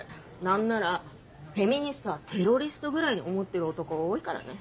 何ならフェミニストはテロリストぐらいに思ってる男多いからね。